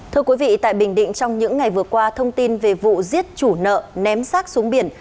thưa quý vị tại bình định trong những ngày vừa qua thông tin về vụ giết chủ nợ ném sát xuống biển